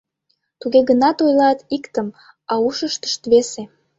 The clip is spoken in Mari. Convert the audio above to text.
Туге гынат ойлат — иктым, а ушыштышт — весе.